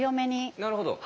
なるほど。